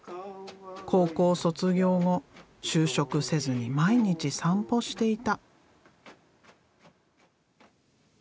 高校卒業後就職せずに毎日散歩していた。